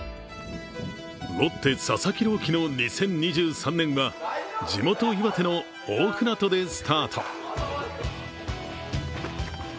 ロッテ・佐々木朗希の２０２３年は地元・岩手の大船渡でスタート。